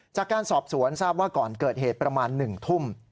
จากการสอบสวนทราบว่าก่อนเกิดเหตุประมาณ๑ทุ่ม